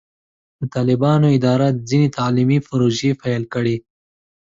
د طالبانو اداره ځینې تعلیمي پروژې پیل کړې.